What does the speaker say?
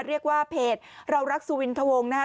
เรียกว่าเพจเรารักสุวินทวงนะครับ